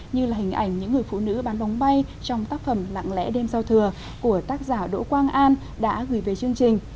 như là hình ảnh những người phụ nữ bán bóng bay trong tác phẩm lặng lẽ đêm giao thừa của tác giả đỗ quang an đã gửi về chương trình